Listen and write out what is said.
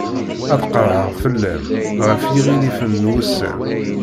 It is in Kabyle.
Ad qerɛeɣ fell-am, ɣef yiɣilifen n wussan.